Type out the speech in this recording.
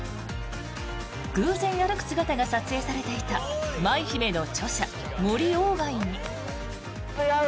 偶然歩く姿が撮影されていた「舞姫」の著者、森鴎外に。